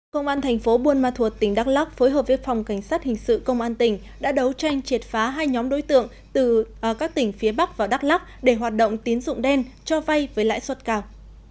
công an thành phố buôn ma thuột tỉnh đắk lắc phối hợp với phòng cảnh sát hình sự công an tỉnh đã đấu tranh triệt phá hai nhóm đối tượng từ các tỉnh phía bắc và đắk lắc để hoạt động tín dụng đen cho vay với lãi suất cao